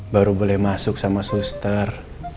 baru boleh masuk sama suster